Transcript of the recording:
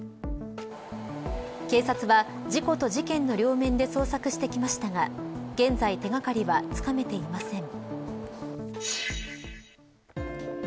警察は事故と事件の両面で捜索してきましたが現在手掛かりはつかめていません。